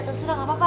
terserah gak apa apa